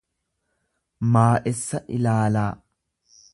maa'essa ilaalaa.